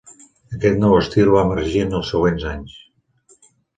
Aquest nou estil va emergir en els següents anys.